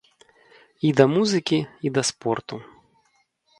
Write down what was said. І да музыкі, і да спорту.